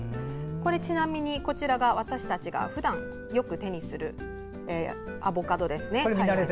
ちなみに、こちらが私たちがふだん手にするアボカドですね。